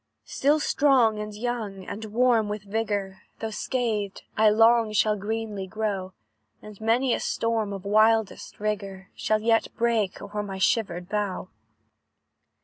"Still strong and young, and warm with vigour, Though scathed, I long shall greenly grow; And many a storm of wildest rigour Shall yet break o'er my shivered bough.